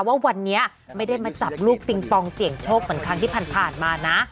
ว่าวันนี้ไม่ได้มาจับลูกปิงปองเสี่ยงโชคเหมือนครั้งที่ผ่านมานะ